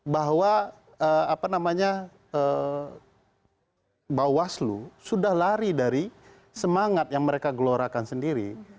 bahwa bawaslu sudah lari dari semangat yang mereka gelorakan sendiri